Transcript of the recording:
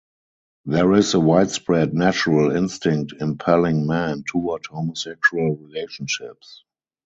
There is a widespread natural instinct impelling men toward homosexual relationships.